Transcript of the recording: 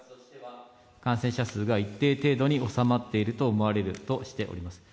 感染者数が一定程度に収まっていると思われるとしております。